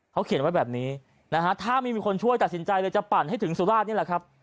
เขาเขียนไว้แบบนี้นะฮะถ้าไม่มีคนช่วยตัดสินใจเลยจะปั่นให้ถึงสุราชนี่แหละครับ